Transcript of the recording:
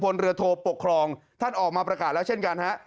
เรือโทปกครองท่านออกมาประกาศแล้วเช่นกันฮะ